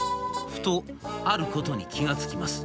ふとあることに気が付きます。